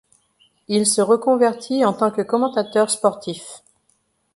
Il se reconvertit en tant que commentateur sportif.